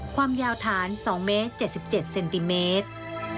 ความยาวฐาน๒เมตร๗๗เซนติเมตร